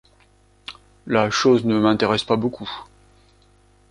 La chose ne m'intéresse pas beaucoup.